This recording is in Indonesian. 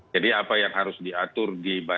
jadi apa yang harus diatur di bandara jakarta